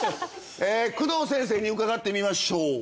工藤先生に伺ってみましょう。